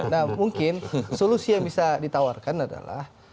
nah mungkin solusi yang bisa ditawarkan adalah